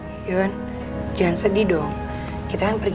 uin jangan sedih dong